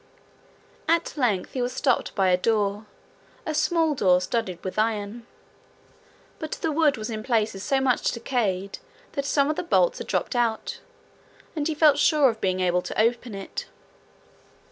At length he was stopped by a door a small door, studded with iron. But the wood was in places so much decayed that some of the bolts had dropped out, and he felt sure of being able to open it.